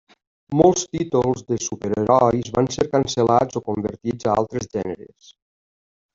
Molts títols de superherois van ser cancel·lats o convertits a altres gèneres.